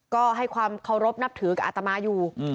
ก็ให้ความเคารพนับถือกับอัตมาอยู่